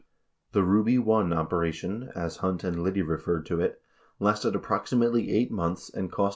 83 The Ruby I operation, as Hunt and Liddy referred to it, lasted approximately eight months and cost about $8,000.